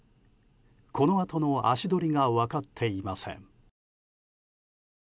このあとの足取りが分かっていません。